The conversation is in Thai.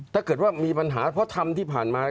ถ้าเกิดว่ามีปัญหาเพราะธรรมที่ผ่านมา